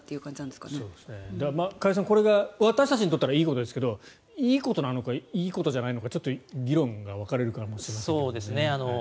だから、加谷さんこれは、私たちにとってはいいことですけどいいことなのかいいことじゃないのかちょっと議論が分かれるかもしれませんね。